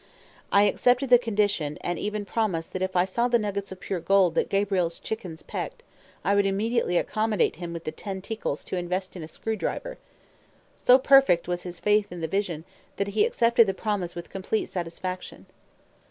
I accepted the condition; and even promised that if I saw the nuggets of pure gold that Gabriel's chickens pecked, I would immediately accommodate him with the ten ticals to invest in a screw driver. So perfect was his faith in the vision, that he accepted the promise with complete satisfaction.